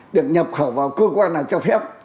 được nhập khẩu vào cơ quan nào cho phép